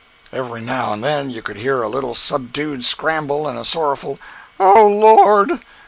Every now and then you could hear a little subdued scramble and a sorrowful "O Lord!"